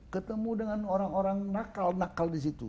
ketemu dengan orang orang nakal nakal di situ